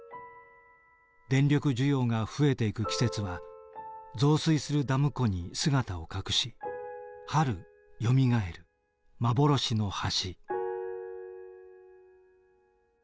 電力需要が増えていく季節は増水するダム湖に姿を隠し春よみがえる幻の橋。